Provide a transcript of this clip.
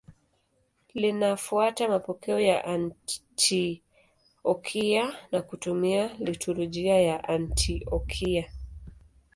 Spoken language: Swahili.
Linafuata mapokeo ya Antiokia na kutumia liturujia ya Antiokia.